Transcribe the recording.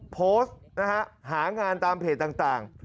โพสต์นะฮะหางานตามเพจต่าง